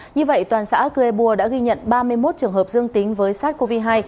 như vậy toàn xã cư ê bua đã ghi nhận ba mươi một trường hợp dương tính với sars cov hai